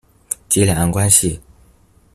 及兩岸關係